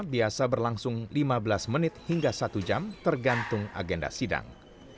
biasa berlangsung lima belas menit hingga satu jam tergantung agenda sidang